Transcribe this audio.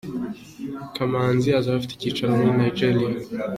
Kamanzi azaba afite icyicaro muri Nigeria.